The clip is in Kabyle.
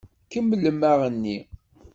Kemmlem aɣenni!